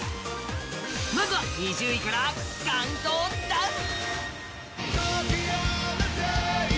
まずは２０位からカウントダウン！